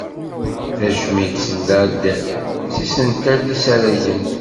Tajmilt tella-d s yisental, d yisaragen.